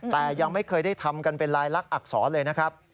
แต่ยังไม่เคยได้ทำกันเป็นลายลักษณอักษรเลยนะครับ